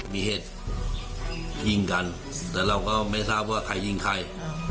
มีเหตุยิงกันแต่เราก็ไม่ทราบว่าใครยิงใคร